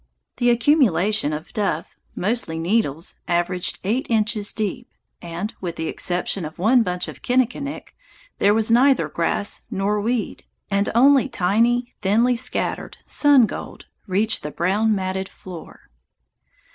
The accumulation of duff, mostly needles, averaged eight inches deep, and, with the exception of one bunch of kinnikinick, there was neither grass nor weed, and only tiny, thinly scattered sun gold reached the brown matted floor."